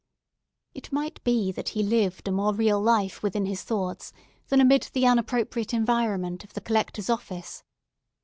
It might be that he lived a more real life within his thoughts than amid the unappropriate environment of the Collector's office.